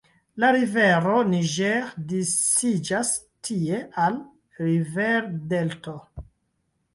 La rivero Niger disiĝas tie al riverdelto.